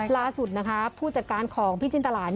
ล่าสุดนะคะผู้จัดการของพี่จินตรา